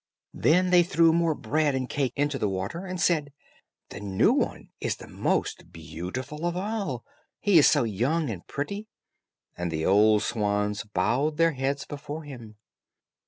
Then they threw more bread and cake into the water, and said, "The new one is the most beautiful of all; he is so young and pretty." And the old swans bowed their heads before him.